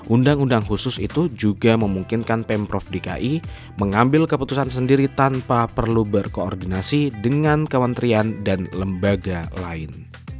undang undang khusus itu juga memungkinkan pemprov dki mengambil keputusan sendiri tanpa perlu berkoordinasi dengan kementerian dan lembaga lain